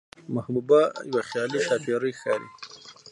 محبوبه يوه خيالي ښاپېرۍ ښکاري،